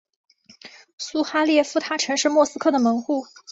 苏哈列夫塔曾是莫斯科的门户。